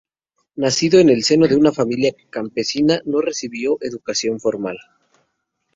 Nacido en el seno de una familia campesina, no recibió educación formal.